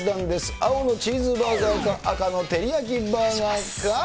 青のチーズバーガーか、赤のテリヤキバーガーか。